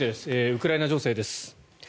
ウクライナ情勢です。